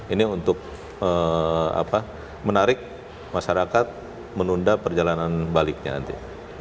ini untuk menarik masyarakat menunda perjalanan baliknya nanti